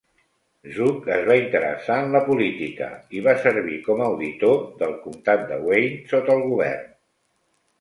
Zug es va interessar en la política i va servir com a auditor del Comtat de Wayne sota el govern.